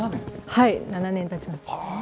はい、７年経ちます。